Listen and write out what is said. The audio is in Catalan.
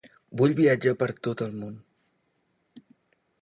Vull viatjar per tot el món.